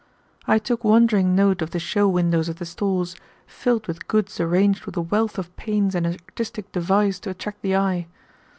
I took wondering note of the show windows of the stores, filled with goods arranged with a wealth of pains and artistic device to attract the eye.